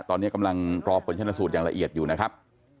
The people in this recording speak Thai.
ตอนนี้กำลังรอผลชนสูตรอย่างละเอียดอยู่นะครับ